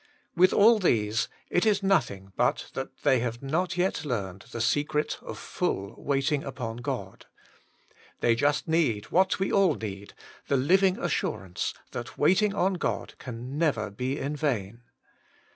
With all these, it is nothing but that they have not yet learned the secret of full waiting upon God. They just need, what we all need, the living assurance that waiting on God can never be in vain.